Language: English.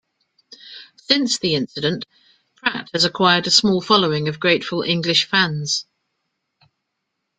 Since the incident, Pratt has acquired a small following of grateful English fans.